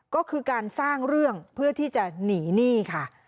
ก็คือการสร้างเรื่องเพื่อที่จะหนีหนี้ค่ะ